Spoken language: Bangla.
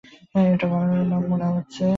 এটা বানানো নাম মনে হচ্ছে।